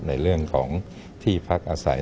ในเรื่องของที่พักอาศัย